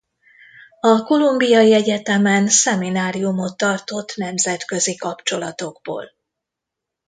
A Kolumbiai Egyetemen szemináriumot tartott nemzetközi kapcsolatokból.